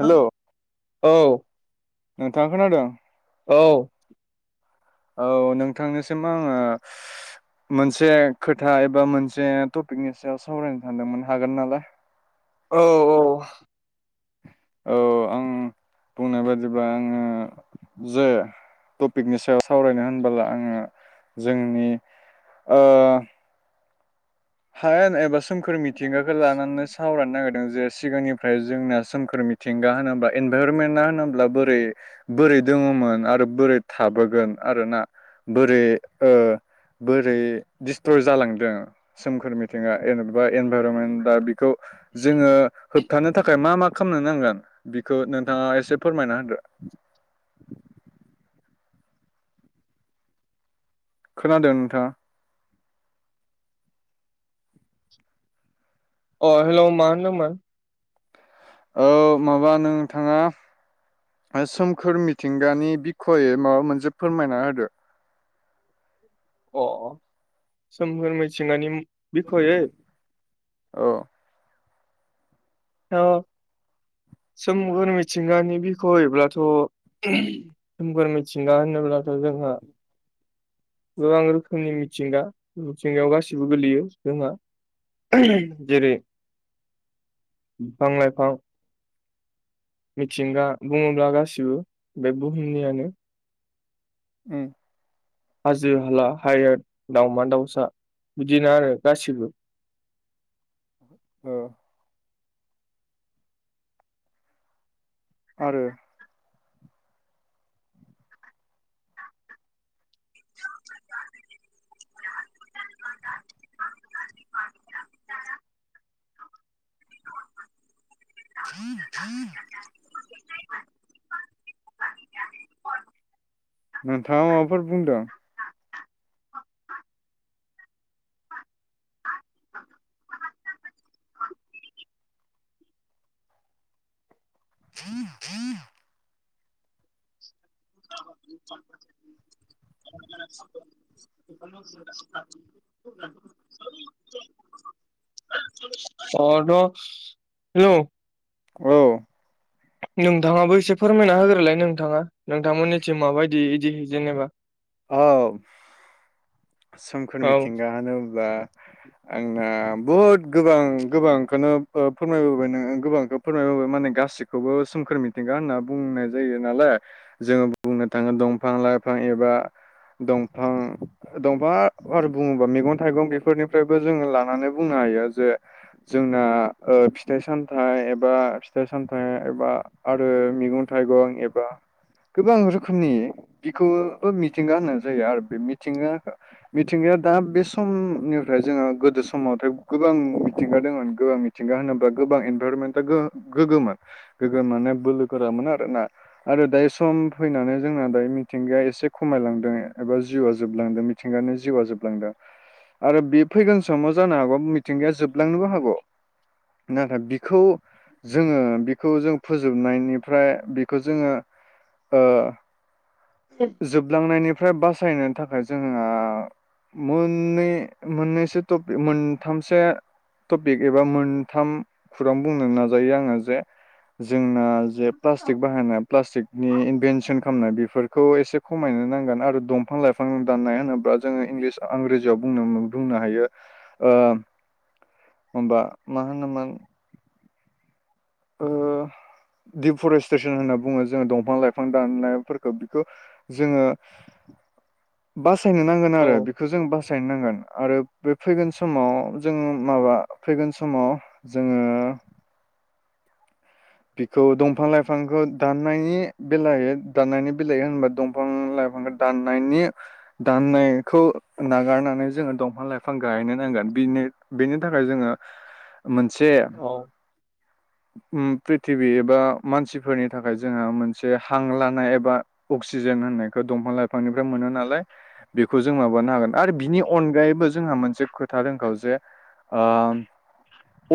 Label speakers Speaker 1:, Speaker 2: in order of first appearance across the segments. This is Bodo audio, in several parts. Speaker 1: हेलौ
Speaker 2: औ
Speaker 1: नोंथाङा खोनादों?
Speaker 2: औ
Speaker 1: औ नोंथांनिसिम आङो मोनसे खोथा एबा मोनसे टपिकनि सायाव सावरायनो सानदोंमोन हागोन नालाय?
Speaker 2: औ
Speaker 1: औ आं बुंनाय बादिब्ला आङो। जे टपिकनि सायाव सावरायनो होनबोला आङो जोंनि ओ हायेन एबा सोमखोर मिथिंगाखौ लानानै सावरायनो नागिरदों जे सिगांनि ओमफ्राय जोंना सोमखोर मिथिंगा होनोब्ला एनभाइरनमेन्टना होनोब्ला बोरै बोरै दङमोन आरो बोरै थाबोगोन आरोना बोरै ओ बोरै डिस्ट्रिय जालांदों। सोमखोर मिथिंगा जेनेबा एनभाइरमेन्टा बेखौ जोङो होबथानो थाखाय मा मा खालामनो नांगोन बिखौ नोंथाङा एसे फोरमायना होदो। खोनादों नोंथाङा?
Speaker 2: अ हेलौ' मा होनदमोन?
Speaker 1: औ माबा नों थाङा सोमखोर मिथिंगानि बिखयै माबा मोनसे फोरमायना होदो।
Speaker 2: अ अ सोमहोर मिथिंगानि बिखयै
Speaker 1: अ
Speaker 2: औ सोमखोर मिथिंगानि बिखयब्लाथ' सोमखोर मिथिंगा होनोब्लाथ' जोंहा गोबां रोखोमनि मिथिंगा मिथिंगायाव गासिबो गोलैयो जोंहा ओहोम जेरै बिफां लाइफां। मिथिंगा बुङोब्ला गासिबो बे बुहुमनियानो
Speaker 1: उम
Speaker 2: हाजो हाला हायार दावमा दाउसा बिदिनो आरो गासिबो
Speaker 1: ओ आरो [inaudible] नोंथाङा माबाफोर बुंदों? [inaudible]
Speaker 2: [unintelligible] [unintelligible] [inaudible] अ द हेलौ
Speaker 1: औ
Speaker 2: नोंथाङाबो एसे फोरमायना होग्रोलाय नोंथाङा नोंथांमोननि माबायदि इदि जेनेबा।
Speaker 1: औ सोमखोर
Speaker 2: औ
Speaker 1: मिथिंगा होनोब्ला आंना बहुद गोबां गोबांखौनो फोरमायबोबाय नोङो गोबांखौ फोरमायबोबाय माने गासिखौबो सोमखोर मिथिंगा होनना बुंनाय जायो नालाय। जोङो बुंनो थाङो दंफां लाइफां एबा दंफां दंफा आरो बुङोबा मैगं थाइगं बेफोरनिफ्रायबो जोङो लानानै बुंनो हायो जे जोंना ओ फिथाइ सामथाइ एबा फिथाइ सामथाइ एबा आरो मैगं थाइगं एबा गोबां रोखोमनि बिखौबो मि मिथिंगा होननाय जायो आरो बे मिथिंगा मिथिंगाया दा बे समनिफ्राय जोंङो गोदो समावथाय गोबां मिथिंगा दंमोन गोबां मिथि मिथिंगा होनोब्ला गोबां इनभाइरमेन्टआ गोगोममोन। गोगोम मान बोलो गोरामोन आर ना आरो दायो सम फैनानै जोंना दायो मिथिंगाया एसे खमायलांदों एबा जिउआ जोबलांदों मिथिंगानो जिउआ जोबलांदों। आरो बे फैगोन समाव जानो हागौ मिथिंगाया जोबलांनोबो हागौ। नाथाय बिखो जोङो बिखौ जों फोजोबनायनिफ्राय बेखौ जोङो ओ जोबलांनायनिफ्राय बासायनायनि थाखाय जोंहा मोननै मोननैसो टपिक मोनथामसो टपिक एबा मोनथाम खुरां बुंनो नाजायो आङो जे जोंना जे प्लास्टिक बाहायनाय प्लास्टिकनि इनभेनसन खालामनाय बेफोरखौ एसे खमायनो नांगोन आरो दंफां लाइफां दाननाय होनोब्ला जोङो इंलिस आंराजियावनोबुंनो होनबा बुंनो हायो। ओं होनबा मा होनोमोन। ओं दिफरेस्ट्रेसन होनना बुङो जोङो दंफां लाइफां दाननायफोरखौ बिखौ जोङो बासायनो नांगोन
Speaker 2: औ
Speaker 1: आरो बेख बेखौ जों बासायनो नांगोन आरो बे फैगोन समाव जोंङो माबा फैगोन समाव जोङो बिखौ दंफां लाइफांखौ दाननायनि बेलायाव दाननायनि बेलायाव होनबा दंफां लाइफांखौ दाननायनि दाननायखौ नागारनानै जोङो दंफां लाइफां गायनो नांगोन बिनो बेनि थाखाय जोङो मोनसे
Speaker 2: औ
Speaker 1: ओम प्रिथिबि एबा मानसिफोरनि थाखाय जोंहा मोनसे हां लानाय एबा अक्सिजेन होननायखौ दंफां लाइफांनिफ्राय मोनो नालाय बेखौ जों माबा माबानो हागोन आरो बिनि अनगायैबो जोंहा मोनसे खोथा रोंखौ जे ओ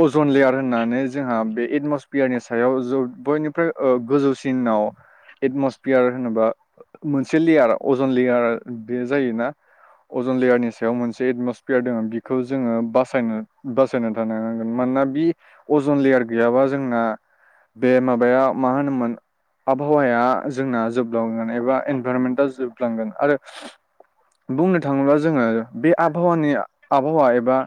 Speaker 1: अजन लेयार होननानै जोंहा बे एटमसफेयारनि सायाव ज बयनिफ्राय ओ गोजौसिनाव एटमसफियार होनोबा मोनसे लेयार अजन लेयार बे जायोना। अजन लेयारनि सायाव मोनसे एटमसफेयार दङ बेखौ जोङो बासायनो बासायना थान मानोना बे अजन लेयार गैयाबा जोंना बे माबाया मा होनोमोन। आबहावाया जोंना जोबलांगोन एबा इनभाररमेन्टआ जोबलांगोन आरो बुंनो थाङोब्ला जोङो बे आबहावानि आबहावा एबा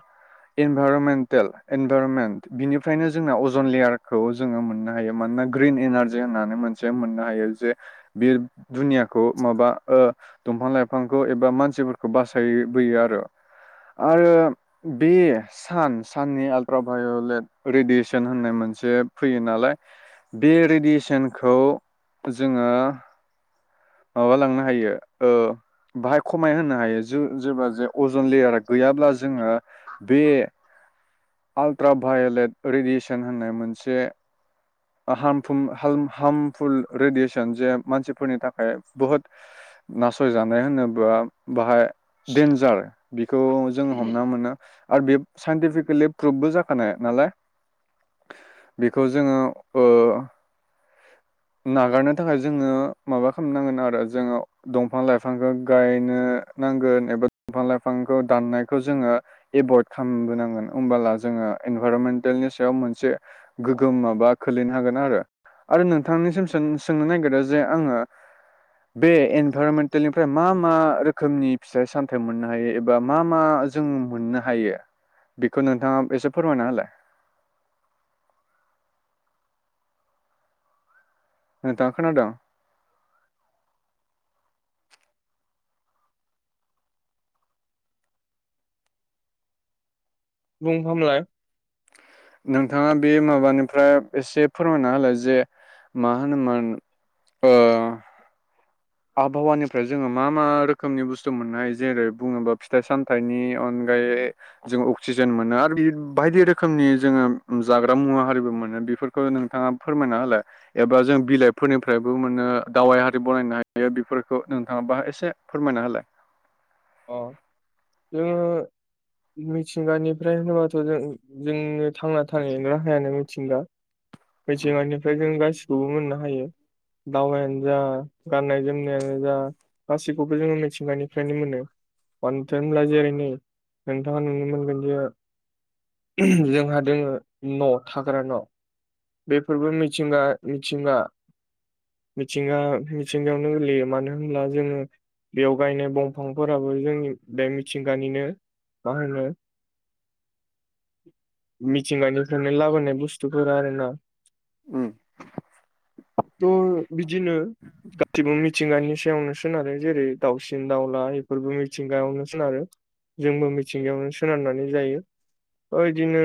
Speaker 1: इनभारमटेल इनभारमेन्ट बिनिफ्रायनो जोंना अजद जन लेयार खौ जोङो मोननो हायो मानोना ग्रिन एनारजि होननानै मोनसे मोननो हायो जे बे दुनियाखौ माबा दंफां लाइफांखौ एबा मानसिफोरखौ बासायबोयो आरो आरो बे सान साननि आलट्राभायलेट रेडियेस सन होननाय मोनसे फैयो नालाय बे रेडियेसनखौ जोङो माबा लांनो हायो बाहाय खमाय होनो हायो ज जे ज अजन लेयारा गैयाब्ला जोङो बे अट्राभायलेट रेडियेसन होननाय मोनसे हमफ हार्मफुल रेडियेसन जे मानसिफोरनि थाखाय बहुद नासयजानाय होनोब्ला। बाहाय देनन्जार बिखौ जों हमना मोनो। आरो बे साइन्टिफिकेलि प्रुभबो जाखानाय नालाय। बेखौ जोङो ओ नागारनो थाखाय जोङो माबा खालामनांगोन आरो जोङो दंफां लाइफांखौ गायनो नांगोन एबा दंफां लाइफांखौ दाननायखौ जोङो एभयद खालामबोनांगोन होमबोला जोङो इनभाररमेन्टेलनि सायाव मोनसे गोगोम माबा खोलैनो हागोन आरो। आरो नोंथांनिसिमों सोंनो नागिरो जे आङो बे इनभाररमेन्टेलनिफ्राय मा मा रोखोमनि फिथाइ सामथाम मोननो हायो। एबा मा मा जों मोननो हायो बेखौ नोंथाङा एसे फोरमायना हालाय। नोंथां खोनादोंं?
Speaker 2: बुंफामलाय
Speaker 1: नोंथाङा बे माबानिफ्राय एसे फोरमायना होलाय। जे मा होनोमोन? ओ आबहावानिफ्राय जोङो मा मा रोखोमनि बुस्थु मोननाय जेरै बुङोबा फिथाइ सामथाइनि अनगायै जोङो अक्सिजेन मोनो आरो बायदि रोखोमनि जोङो जाग्रा मुवा हारिबो मोनो बेफोर नोंथाङा फोरमायना होलाय एबा जों बिलाइफोरनिफ्रायबो मोनो दावाइ हारि बनायनाय बेफोरखौ नोंथाङा बाह एसे फोरमायना होलाय।
Speaker 2: अ जों मिथिंगानिफ्राय होनोबाथ' जों जोंनो थांना थानाय राहायानो मिथिंगा। मिथिंगानिफ्राय जों गासिखौबो मोननो हायो। दावबायानो जा गाननाय जोमनायानो जा। गासिबखौबो जोङो मिथिंनायनिफ्रायनो मोनो। [inaudible] [inaudible] [inaudible] जोंहा दोङो न' थाग्रा न'। बेफोरबो मिथिंगा मिथिंगा मिथिंडा मिथिंगायावनो गोलैयो मानो होनब्ला जोङो बेयाव गायनाय दंफांफोराबो जोंनि बे मिथिंगानिनो। मा होनो?
Speaker 1: [inaudible]
Speaker 2: मिथिंगानिफ्रायनो लाबोनाय बुस्थुफोर आरो ना? [inaudible] बिदिनो गसि ममि [inaudible] मिथिंगानि सायावनो सोनारो जेरै दाावसिन दाावला बेफोरबो मिथिंगायावनो सोनारो। जोंबो मिथिंगायावनो सोनारनानै जायो। बिदिनो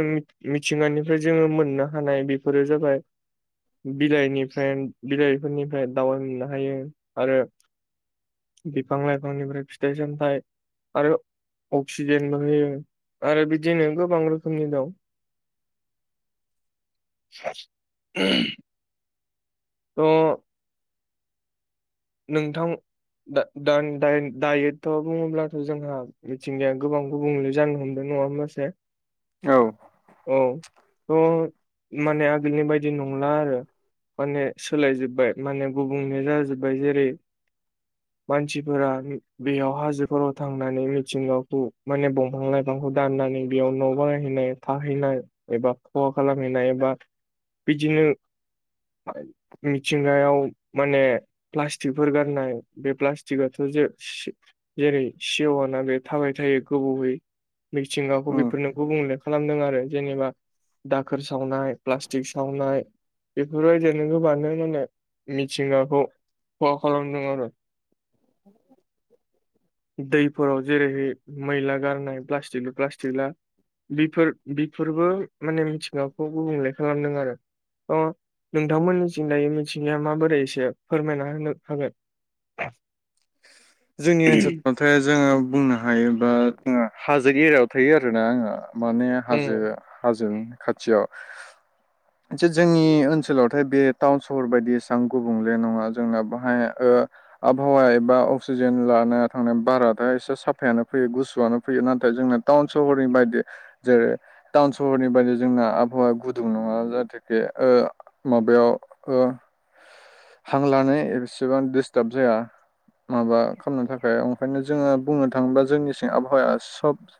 Speaker 2: मिथिंगानिफ्राय जोङो मोननो हानाय बेफोरो जाबाय बिलाइनिफ्राय बिलाइफोरनिफ्राय दावबाय मोननो हायो आरो बिफां लाइफांनिफ्राय फिथाइ सामथायाइ। आरो अक्सिजेनबो' होयो आरो बिदिनो गोबां रोखोमनि दं। स [inaudible] द' [inaudible] नोंथां दायोथ' बुङोब्लाथ' जोंहा मिथिंगाया गोबां गुबुंले जानो हमदों नङा होमबा से
Speaker 1: औ
Speaker 2: औ माने आगोलनि बाय बिदि नंला आरो माने सोलाय जोबबाय माने गुबुंनो जाजोबबाय जेरै
Speaker 1: [inaudible]
Speaker 2: मानसिफोरा बेयाव हाजोफोराव थांनानै मिथिंगाखौ माने बंफां लाय बिफांखौ दाननानै बेयाव न' बानायहैनाय थाहैनाय एबा खहा खालामहैनाय एबा बिदिनो मिथिंगायाव माने प्लास्टिकफोर गारनाय बे प्लास्टिकआथ' जे से जेरै सेवा ना बे थाबाय थायो गोबावयै, मिथिंगाखौ
Speaker 1: उम
Speaker 2: बेफोरनोबो गुबुंले खालामदों आरो। जेनेबा दाखोर सावनाय प्लास्टिक सावनाय बेफोरबायदिेरनो गोबांआनो माहोनो मिथिंगाखौ खहा खालामदों आरो।
Speaker 1: [inaudible]
Speaker 2: दैफोराव जेरैहाय मैला गारनाय प्लास्टिकल प्लास्टिकला बेफोर बेफोरबो माने मिथिंगाखौ गुबुंले खालामदों आरो। अ नोंथांमोननि जंगै मिथिंगाया माबोरै एसे फोरमायना होनो हागोन।
Speaker 1: जोंनि ओनसोलफ्राव ओमफ्राय जोङो बुंनो हायोबा हाजो एरिायाव थायो आरोना आङो माने हाजो
Speaker 2: उम
Speaker 1: हाजों खाथियाव। जे जोंनि ओनसोलावथाय बे टाउन सहर बायदि एसां गुबुंले नङा जोंना बाहाय ओ आबहावा बा अक्सिजेन लाना थांनाय बाराथाय एसे साफायानो फैयो गुसुआनो फैयो नाथाय जोंना टाउन सहरनि बायदि जेरै टाउन सहरनि बादि जोंना आबहावाया गुदुं नङा जाहाथे ओ माबायाव ओ हां लानो एसेबां दिस्टार्ब जाया। माबा खालामनो थाखाय ओंखायनो जोङो बुंनो थाङोब्ला जोंनि सिं आबहावाया सब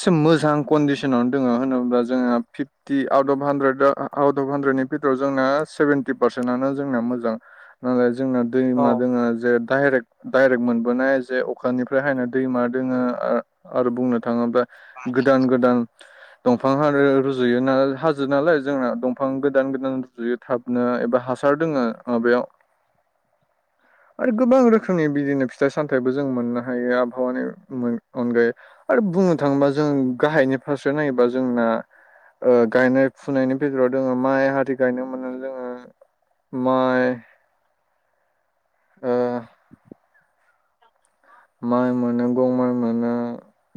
Speaker 1: सो मोजां कन्डिसनावनो दङ होनोब्ला जोंहा fifty out of hundred out of हानद्रेडनि बिथोराव जोंना सेभेन्टि पारसेन्टआ जोंना मोजां। नालाय जोंना
Speaker 2: औ
Speaker 1: दैमा दोङो जे डाइरेक्ट डाइरेक्ट मोनबोनाय जे अखानिफ्राय हायनो दैमा दोङो ओ आरो बुंनो थाङोब्ला गोदान गोदान दंफां हानो रुजुयो नाल हाजो नालाय जोंना दंफां गोदान गोदान रजयो थाब नो एबा हासार दोङो ओ बेयाव। गोबां रोखोमनि बिदिनो फिथाइ सामथाइबो जों मोननो हायो आबहावानि अनगायै। आरो बुंनो थाङोब्ला जों गाहायनि फारसे नायोबा जोंना ओ गायनाय फुनायनि गेजेराव दङो माइ हादै गायनो मोनो जोङो। माइ ओ माइ मोनो बेव माइ मोनो।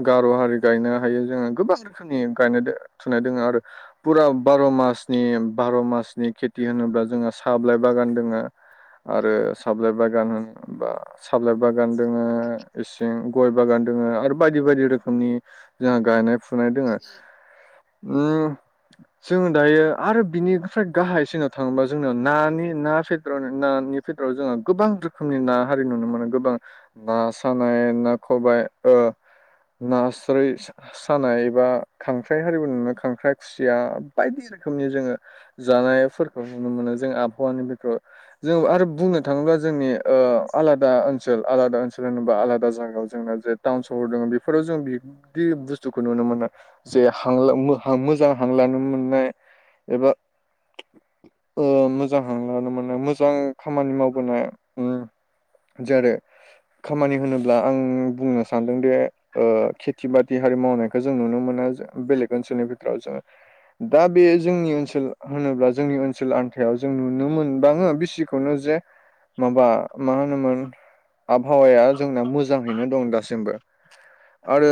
Speaker 1: गार' हारि गायनो हायो जोङो गोबां रोखोमनि गायनाय थुनाय दोङ आरो फुरा बार' मासनि बार' मासनि खेथि होनोब्ला जोंहा साहा बिलाय बागान दोङो। आरो साबलाइ बागान होनोबा सााबलाइ बागान दोङो। इसिं गय बागान दोङो आरो बायदि बायदि रोखोमनि जोंहा गायनाय फुनाय दोङो। उम जोङो दायो आरो बिनिफ्राय गाहायसिनाव थाङोबा जोंना नानि ना फेद्रआवनो नानि वाव जोङो गोबां रोखोमनि ना हारि नुनो मोनो गोबां ओ सानाय ना खबाय ओ नास्राय सानाय एबा खांख्राइ हारिबो नु खांख्राइ खुसिया बायदि रोखोमनि जोङो जानायफोरखौ नुनो मोनो जों आबहावानि बिथोराव। जों आरो बुंनो थाङोबा जोंनि ओ आलादा ओनसोल आलादा ओ। जेनबा आलादा जायगायाव जोंना जे टाउन सहर दङ बेफोराव जों बिह। दि बुस्थुखौ नुनो मोना जे हां मोजां हांलानो मोननाय। एबा ओ। जां हां लानो मोननाय मोजां खामानि मावबोनाय उम जेरै। खामानि होनोब्ला आं बुंनो सानदोंदि। ओ खेथि बाथि हारि मावनायखौ जों नुनो मोना बेलेग ओनसोलनि बिथोराव जोङो। दा बे जोंनि ओनसोल होनोब्ला जोंनि ओनसोल आन्थायाव जों नुनो मोनबाङो बिसे। खौनो जे माबा मा होनो आबहावाया जोंना मोजाङैनो दं दासिमबो। आरो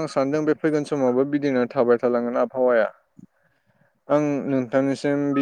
Speaker 1: आं सानदों बे फैगोन समावबो बिदिनो थाबाय थाालांगोन आबहावाया। आं नोंथांनिसिम बि